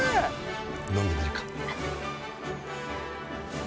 飲んでみるか。